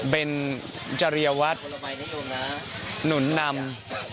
เป็นจริยวัตรหนุนนำ